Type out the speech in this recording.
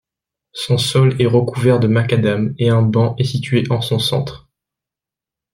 Son sol est recouvert de macadam et un banc est situé en son centre.